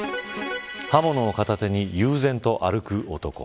刃物を片手に悠然と歩く男。